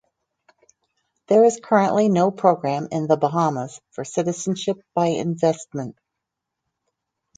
There is currently no program in The Bahamas for citizenship by investment.